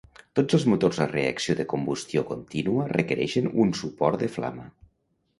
Tots els motors a reacció de combustió contínua requereixen un suport de flama.